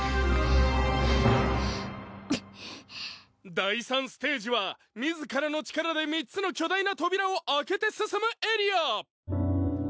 第３ステージは自らの力で３つの巨大な扉を開けて進むエリア。